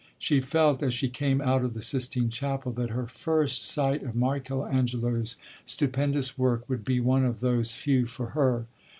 She felt as she came out of the Sistine Chapel that her first sight of Michael Angelo's stupendous work would be one of those few for her.